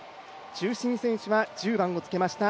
中心選手は１０番をつけました、